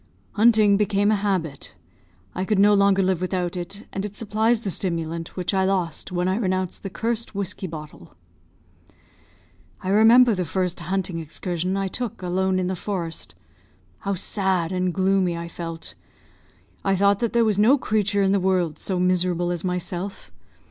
Hunting became a habit. I could no longer live without it, and it supplies the stimulant which I lost when I renounced the cursed whiskey bottle. "I remember the first hunting excursion I took alone in the forest. How sad and gloomy I felt! I thought that there was no creature in the world so miserable as myself.